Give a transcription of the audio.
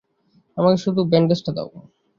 আমাকে শুধু ব্যান্ডেজটা দাও?